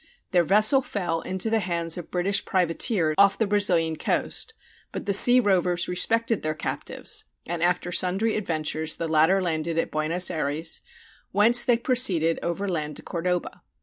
Their vessel fell into the hands of English privateers off the Brazilian coast, but the sea rovers respected their captives, and after sundry adventures the latter landed at Buenos Ayres, whence they proceeded over land to Cordoba.